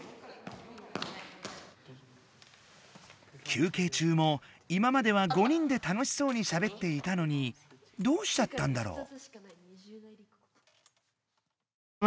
休けいちゅうも今までは５人で楽しそうにしゃべっていたのにどうしちゃったんだろう？